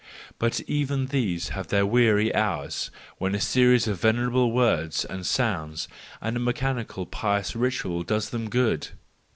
But even these have their weary hours when a series of venerable words and sounds and a mechanical, pious ritual does them good.